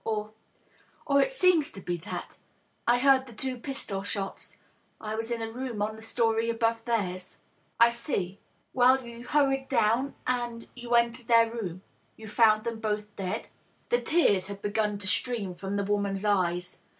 Or— or it seems to be that. I heard the two pistol shots. I was in a room on the story above theirs." " I see. Well ? You hurried down, and you entered their room. You fouud them both dead ?" The tears had begun to stream from the woman's eyes.